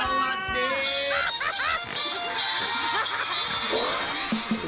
สวัสดี